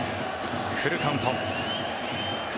フルカウント。